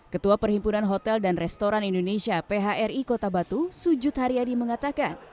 ketua perhimpunan hotel dan restoran indonesia phri kota batu sujud haryadi mengatakan